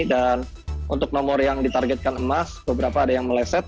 dan untuk nomor yang ditargetkan emas beberapa ada yang meleset